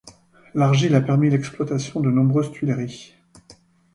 L'argile a permis l'exploitation de nombreuses tuileries.